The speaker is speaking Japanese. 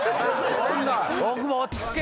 大久保落ち着け。